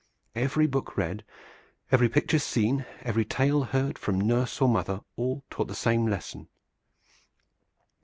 Every book read, every picture seen, every tale heard from nurse or mother, all taught the same lesson.